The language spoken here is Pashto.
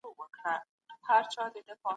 حکومتونه نسي کولای د قانون پرته دوام وکړي.